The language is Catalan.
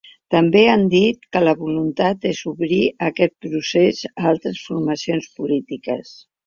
També han dit que la voluntat és obrir aquest procés a altres formacions polítiques.